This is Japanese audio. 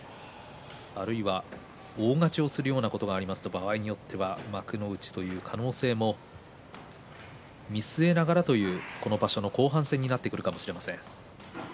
あるいは大勝ちをするようなことがあると場合によっては幕内という可能性も見据えながらというこの場所の後半戦になってくるかもしれません。